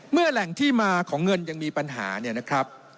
แหล่งที่มาของเงินยังมีปัญหาเนี่ยนะครับ